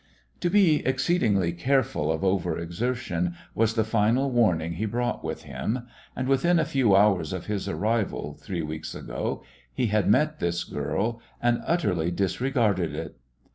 To be exceedingly careful of over exertion was the final warning he brought with him, and, within a few hours of his arrival, three weeks ago, he had met this girl and utterly disregarded it.